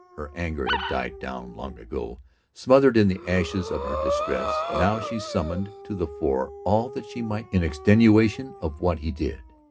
Her anger had died down long ago, smothered in the ashes of her distress; now she summoned to the fore all that she might in extenuation of what he did.